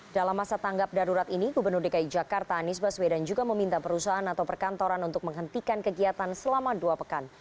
dalam masa tanggap darurat ini gubernur dki jakarta anies baswedan juga meminta perusahaan atau perkantoran untuk menghentikan kegiatan selama dua pekan